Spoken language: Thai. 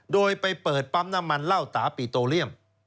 โดยไปเปิดปั๊มน้ำมันเหล้าตาปิโตเรียม